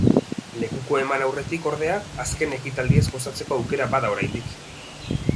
Lekukoa eman aurretik, ordea, azken ekitaldiez gozatzeko aukera bada oraindik.